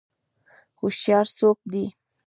هوشیار څوک دی؟